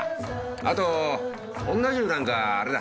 あと女衆なんかあれだ。